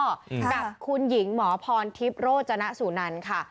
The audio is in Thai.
กับคุณหญิงหมอพรทิพย์โรจนสุนันค่ะ